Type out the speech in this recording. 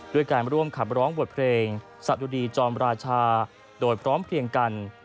ด้วยการร่วมขับร้องบทเพลงสะดุดีจอมราชาโดยพร้อมเพลียงกัน